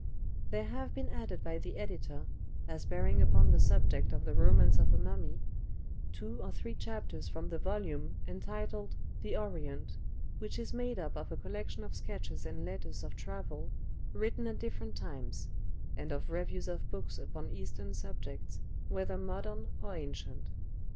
There have been added by the editor, as bearing upon the subject of the "Romance of a Mummy," two or three chapters from the volume entitled "The Orient," which is made up of a collection of sketches and letters of travel written at different times, and of reviews of books upon Eastern subjects, whether modern or ancient.